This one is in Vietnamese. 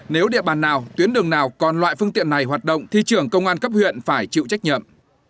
nếu địa bàn nào tuyến đường nào còn loại phương tiện này hoạt động thì trưởng công an cấp huyện phải chịu trách nhiệm